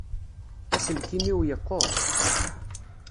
Aselkim-iw yeqquṛ.